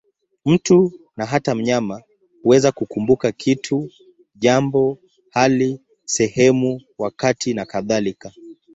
Mtu, na hata mnyama, huweza kukumbuka kitu, jambo, hali, sehemu, wakati nakadhalika.